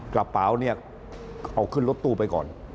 กระเป๋าเนี่ยเอาขึ้นรถตู้ไปก่อน